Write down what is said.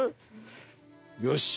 よし。